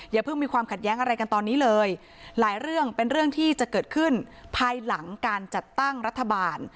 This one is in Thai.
อย่าเพิ่งมีความขัดแย้งอะไรกันตอนนี้เลยหลายเรื่องเป็นเรื่องที่จะเกิดขึ้นภายหลังการจัดตั้งรัฐบาล